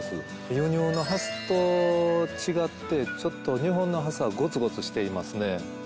輸入のハスと違ってちょっと日本のハスはゴツゴツしていますね。